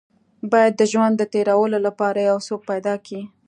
بايد د ژوند د تېرولو لپاره يو څوک پيدا کې.